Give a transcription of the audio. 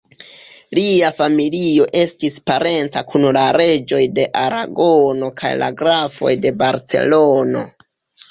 Lia familio estis parenca kun la reĝoj de Aragono kaj la grafoj de Barcelono.